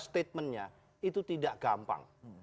statementnya itu tidak gampang